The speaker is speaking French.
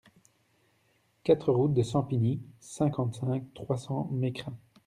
quatre route de Sampigny, cinquante-cinq, trois cents, Mécrin